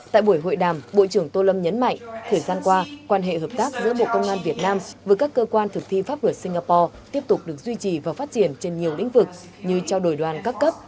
tại buổi hội đàm bộ trưởng tô lâm nhấn mạnh thời gian qua quan hệ hợp tác giữa bộ công an việt nam với các cơ quan thực thi pháp luật singapore tiếp tục được duy trì và phát triển trên nhiều lĩnh vực như trao đổi đoàn các cấp